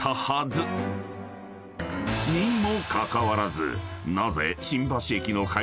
［にもかかわらず］